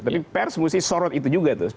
tapi pers mesti sorot itu juga tuh